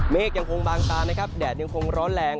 เมฆยังคงบางตาแดดยังคงร้อนแรง